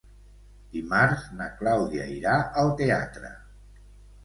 Dimarts na Clàudia irà al teatre.